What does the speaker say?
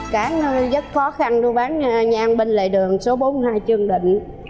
cả nơi rất khó khăn tôi bán nhà ăn bên lệ đường số bốn mươi hai trương định